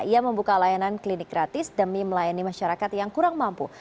ia membuka layanan klinik gratis demi melayani masyarakat yang kurang mampu